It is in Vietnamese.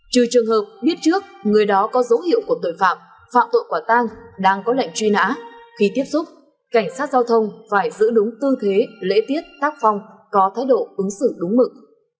trừ trường hợp biết trước người đó có dấu hiệu của tội phạm phạm tội quả tang đang có lệnh truy nã khi tiếp xúc cảnh sát giao thông phải giữ đúng tư thế lễ tiết tác phong có thái độ ứng xử đúng mực